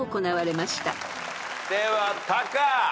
ではタカ。